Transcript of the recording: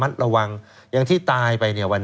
คุณนิวจดไว้หมื่นบาทต่อเดือนมีค่าเสี่ยงให้ด้วย